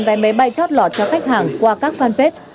vé máy bay chót lọt cho khách hàng qua các fanpage